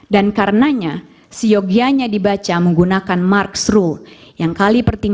dan karenanya siyogianya dibaca menggunakan marx rule